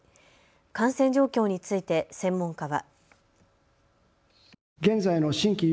感染状況について専門家は。